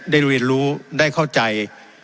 เรียนรู้ได้เข้าใจ